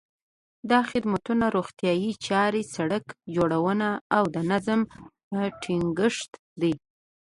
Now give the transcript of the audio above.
دا خدمتونه روغتیايي چارې، سړک جوړونه او د نظم ټینګښت دي.